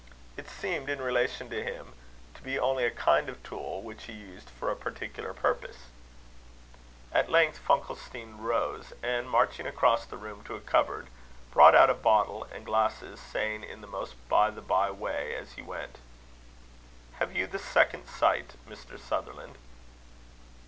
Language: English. It seemed, in relation to him, to be only a kind of tool, which he used for a particular purpose. At length Funkelstein rose, and, marching across the room to a cupboard, brought out a bottle and glasses, saying, in the most by the bye way, as he went: "Have you the second sight, Mr. Sutherland?"